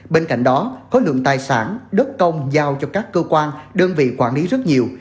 bên cạnh đó khối lượng tài sản đất công giao cho các cơ quan đơn vị quản lý rất nhiều